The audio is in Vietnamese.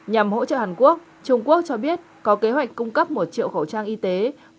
nhằm hỗ trợ hàn quốc trung quốc cho biết có kế hoạch cung cấp một triệu khẩu trang y tế